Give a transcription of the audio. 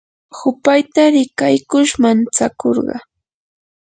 hupayta rikaykush mantsakurqa.